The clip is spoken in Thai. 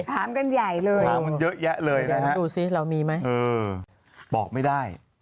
ถามกันใหญ่เลยนะฮะดูสิเรามีไหมเออบอกไม่ได้